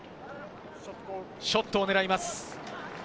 ショットを狙います。